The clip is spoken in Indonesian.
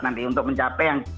nanti untuk mencapai yang